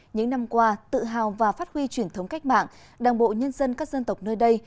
những năm qua tự hào và phát huy truyền thống cách mạng đảng bộ nhân dân các dân tộc nơi đây